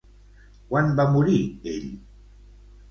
Quan va morir ell?